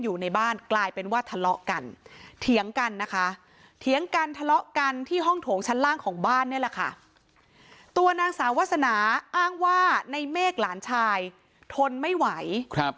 ตัวนางสาวาสนาอ้างว่าในเมฆหลานชายทนไม่ไหว